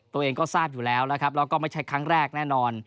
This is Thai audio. ตัวเองก็ทราบอยู่แล้วนะครับแล้วก็ไม่ใช่ครั้งแรกแน่นอน